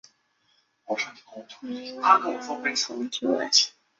努瓦亚勒蓬提维。